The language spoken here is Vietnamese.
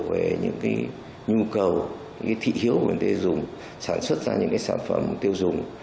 về những nhu cầu thị hiếu của người dùng sản xuất ra những sản phẩm tiêu dùng